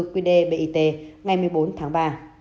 quy đề bit ngày một mươi bốn tháng ba